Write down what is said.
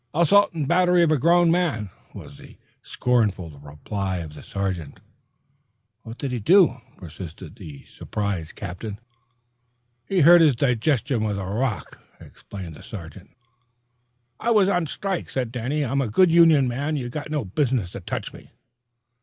"Assault and battery on a grown man!" was the scornful reply of the sergeant. "What did he do?" persisted the surprised captain. "Hurt his digestion with a rock," explained the sergeant. "I was on strike," said Danny. "I'm a good union man. You got no business to touch me."